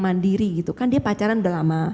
mandiri gitu kan dia pacaran udah lama